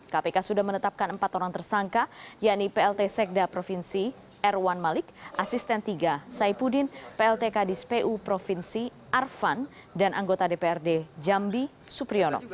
kpk sudah menetapkan empat orang tersangka yaitu plt sekda provinsi erwan malik asisten tiga saipudin plt kadis pu provinsi arfan dan anggota dprd jambi supriyono